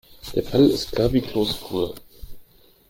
Der Fall ist klar wie Kloßbrühe.